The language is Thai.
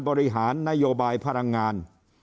บริหารนโยบายพลังงาน